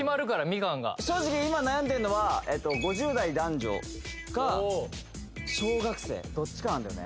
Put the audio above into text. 正直今悩んでるのはえっと５０代男女か小学生どっちかなんだよね